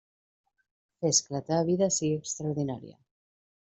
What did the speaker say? Fes que la teva vida sigui extraordinària!